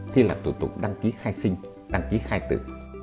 khi làm thủ tục đăng ký khai sinh đăng ký khai tử